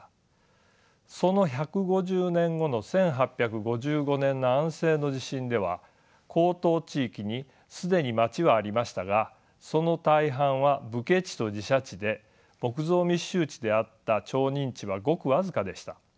その１５０年後の１８５５年の安政の地震では江東地域に既に町はありましたがその大半は武家地と寺社地で木造密集地であった町人地はごく僅かでした。